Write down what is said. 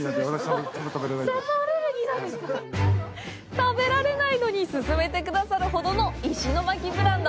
食べられないのに勧めてくださるほどの石巻ブランド！